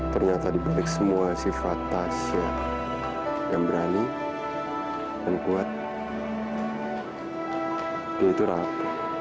ternyata dibalik semua sifat tasya yang berani dan kuat dia itu rakyat